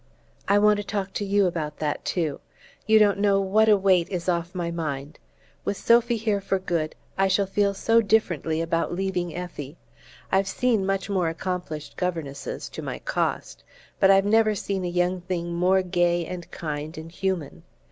"I want to talk to you about that too. You don't know what a weight is off my mind! With Sophy here for good, I shall feel so differently about leaving Effie. I've seen much more accomplished governesses to my cost! but I've never seen a young thing more gay and kind and human.